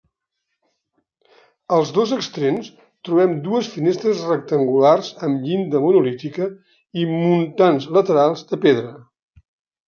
Als dos extrems trobem dues finestres rectangulars amb llinda monolítica i muntants laterals de pedra.